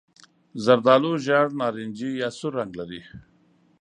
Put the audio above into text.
زردالو ژېړ نارنجي یا سور رنګ لري.